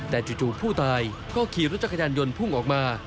แต่จู่ผู้ตายก็ขี่รถจักรยานยนต์พุ่งออกมา